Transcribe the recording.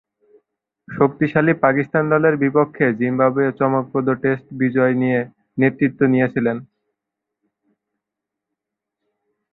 শক্তিশালী পাকিস্তান দলের বিপক্ষে জিম্বাবুয়ের চমকপ্রদ টেস্ট বিজয়ে তিনি নেতৃত্ব দিয়েছিলেন।